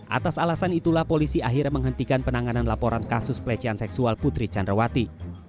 atas alasan itulah polisi akhirnya menghentikan penanganan laporan kasus pelecehan seksual putri candrawati